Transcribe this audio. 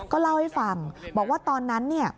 ก็เล่าให้ฟังบอกว่าตอนนั้นเนี่ย